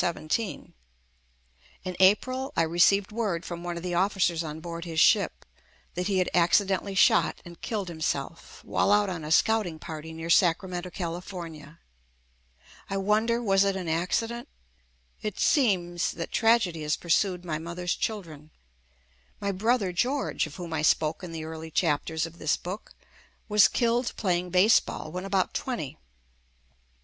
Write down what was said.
In April I re ceived word from one of the officers on board JUST ME his ship that he had accidentally shot and killed himself while out on a scouting party near Sacramento, California. I wonder was it an accident? It seems that tragedy has pur sued my mother's children. My brother, George, of whom I spoke in the early chapters of this book, was killed playing baseball when about twenty.